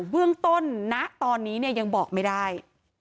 เบื้องต้นณตอนนี้ยังบอกไม่ได้